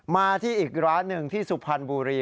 มาที่อีกร้านหนึ่งที่สุพรรณบุรี